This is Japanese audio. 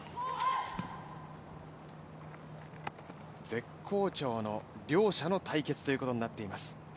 絶好調の両者の対決ということになっています。